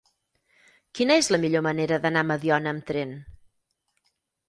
Quina és la millor manera d'anar a Mediona amb tren?